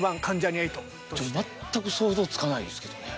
全く想像つかないですけどね。